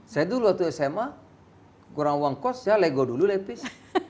saya dulu waktu sma kurang uang kos ya lego dulu lapis